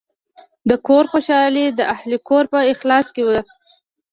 د کور خوشحالي د اهلِ کور په اخلاص کې ده.